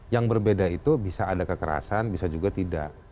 yang berbeda itu bisa ada kekerasan bisa juga tidak